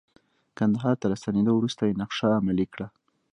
کندهار ته له ستنیدو وروسته یې نقشه عملي کړه.